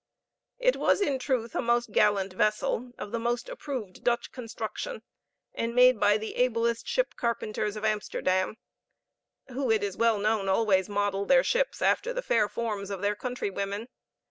It was in truth a most gallant vessel, of the most approved Dutch construction, and made by the ablest ship carpenters of Amsterdam, who, it is well known, always model their ships after the fair forms of their countrywomen.